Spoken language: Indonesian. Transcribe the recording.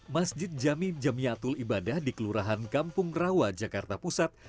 masjid jami jamiatul ibadah di kelurahan kampung rawa jakarta pusat